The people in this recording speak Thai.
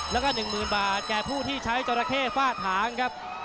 แล้วก็หนึ่งหมื่นบาทแก่ผู้ที่ใช้จราเข้ฝาถางครับ